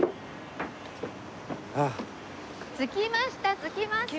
着きました着きました！